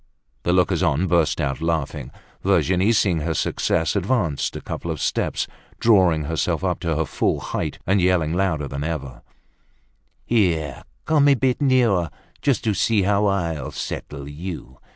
The lookers on burst out laughing. Virginie, seeing her success, advanced a couple of steps, drawing herself up to her full height, and yelling louder than ever: "Here! Come a bit nearer, just to see how I'll settle you!